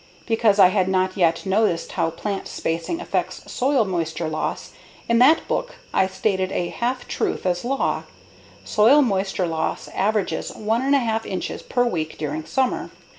Because I had not yet noticed how plant spacing affects soil moisture loss, in that book I stated a half truth as law: Soil moisture loss averages 1 1/2 inches per week during summer.